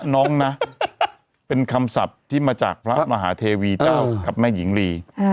น้องนะเป็นคำศัพท์ที่มาจากพระมหาเทวีเจ้ากับแม่หญิงลี